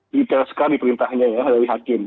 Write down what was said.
detail sekali perintahnya ya dari hakim